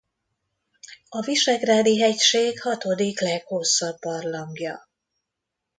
A Visegrádi-hegység hatodik leghosszabb barlangja.